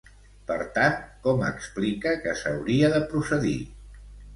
Per tant, com explica que s'hauria de procedir?